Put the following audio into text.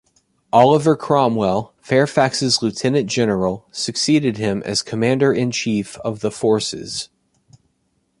Oliver Cromwell, Fairfax's Lieutenant-General, succeeded him as Commander-in-chief of the Forces.